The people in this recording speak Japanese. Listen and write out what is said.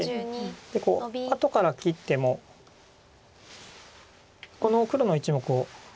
で後から切ってもこの黒の１目を。